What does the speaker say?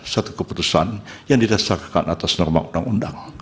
satu keputusan yang didasarkan atas norma undang undang